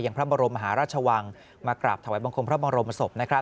พระบรมมหาราชวังมากราบถวายบังคมพระบรมศพ